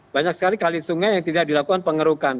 banyak sekali kalisungai yang tidak dilakukan pengerukan